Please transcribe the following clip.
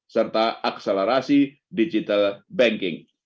serta akselerasi digital banking